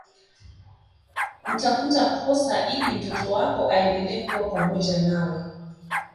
Utafuta kosa ili mtoto wako aendelee kuwa pamoja nawe